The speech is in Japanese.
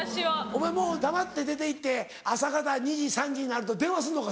お前黙って出て行って朝方２時３時になると電話すんのか？